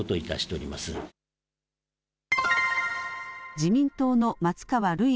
自民党の松川るい